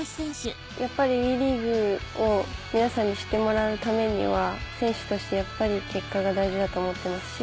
やっぱりＷＥリーグを皆さんに知ってもらうためには選手としてやっぱり結果が大事だと思っていますし。